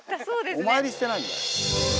お参りしてないんだ。